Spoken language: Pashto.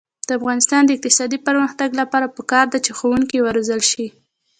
د افغانستان د اقتصادي پرمختګ لپاره پکار ده چې ښوونکي وروزل شي.